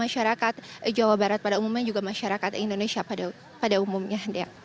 masyarakat jawa barat pada umumnya juga masyarakat indonesia pada umumnya